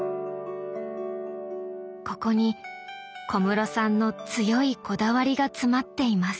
ここに小室さんの強いこだわりが詰まっています。